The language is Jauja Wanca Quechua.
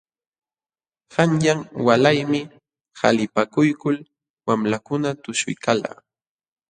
Qanyan walaymi qalipakuykul wamlakuna tushuykalqa.